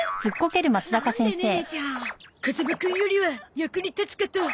風間くんよりは役に立つかと。